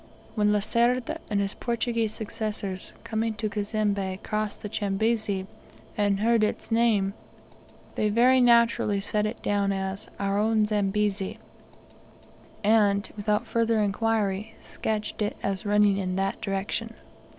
When Lacerda and his Portuguese successors, coming to Cazembe, crossed the Chambezi, and heard its name, they very naturally set it down as "our own Zambezi," and, without further inquiry, sketched it as running in that direction.